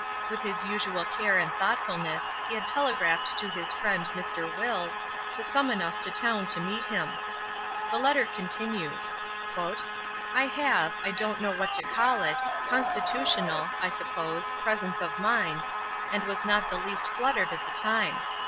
With his usual care and thoughtfulness he had telegraphed to his friend Mr. Wills, to summon us to town to meet him. The letter continues: "I have, I don't know what to call it, constitutional (I suppose) presence of mind, and was not the least fluttered at the time.